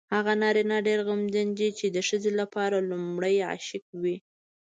هغه نارینه ډېر نېکمرغه دی چې د ښځې لپاره لومړی عشق وي.